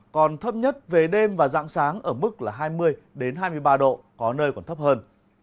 còn thấp nhất về đêm và dạng sáng ở mức là hai mươi hai mươi ba độ có nơi còn thấp hơn